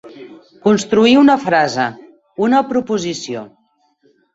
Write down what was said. Construir una frase, una proposició.